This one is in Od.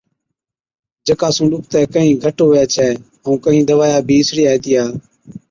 جڪا سُون ڏُکتَي ڪهِين گھٽ هُوَي ڇَي، ائُون ڪهِين دَوائِيا بِي اِسڙِيا هِتِيا،